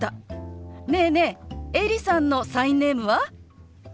ねえねえエリさんのサインネームは？